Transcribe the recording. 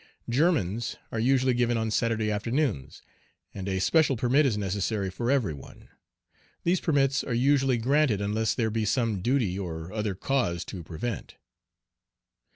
Germans are usually given on Saturday afternoons, and a special permit is necessary for every one. These permits are usually granted, unless there be some duty or other cause to prevent.